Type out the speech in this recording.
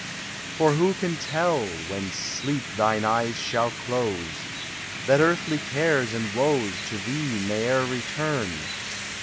For who can tell, when sleep thine eyes shall close, That earthly cares and woes To thee may e'er return?